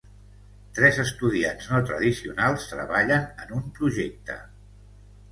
Tres estudiants no tradicionals treballen en un projecte.